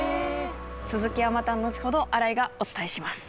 続きはまた後ほど新井がお伝えします。